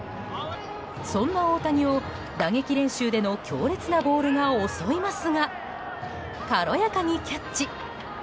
そんな大谷を、打撃練習での強烈なボールが襲いますが軽やかにキャッチ。